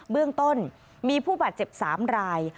เบื้องต้นมีผู้บาดเจ็บ๓ราย